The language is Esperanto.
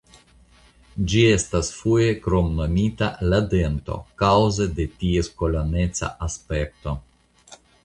Ĝi estas foje kromnomita "la dento" kaŭze de ties koloneca aspekto.